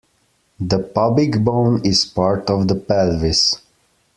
The pubic bone is part of the pelvis.